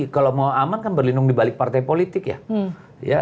kalau mau aman kan berlindung dibalik partai politik ya